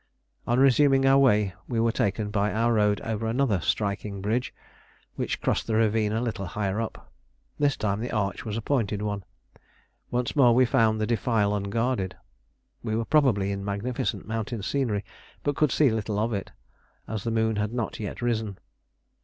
On resuming our way, we were taken by our road over another striking bridge which crossed the ravine a little higher up. This time the arch was a pointed one. Once more we found the defile unguarded. We were probably in magnificent mountain scenery, but could see little of it, as the moon had not yet risen.